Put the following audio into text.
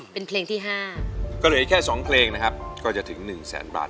เป็นเพลงที่ห้าก็เหลือแค่สองเพลงนะครับก็จะถึงหนึ่งแสนบาท